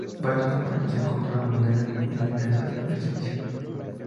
Varias compañías encontraron maneras de eliminar esta restricción.